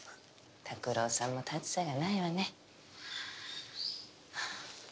拓郎さんも立つ瀬がないわね。